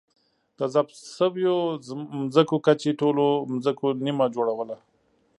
د ضبط شویو ځمکو کچې ټولو ځمکو نییمه جوړوله.